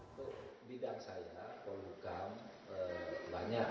untuk bidang saya polhukam banyak